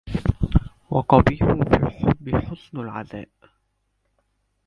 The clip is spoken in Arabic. وقَبيحٌ في الحبِّ حُسْنُ العَزَاءِ